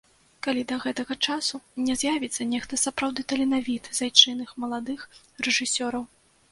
Калі да гэтага часу не з'явіцца нехта сапраўды таленавіты з айчынных маладых рэжысёраў.